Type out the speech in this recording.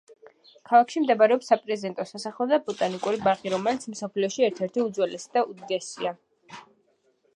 ქალაქში მდებარეობს საპრეზიდენტო სასახლე და ბოტანიკური ბაღი, რომელიც მსოფლიოში ერთ–ერთი უძველესი და უდიდესია.